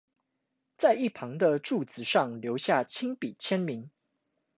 在一旁的柱子上留下親筆簽名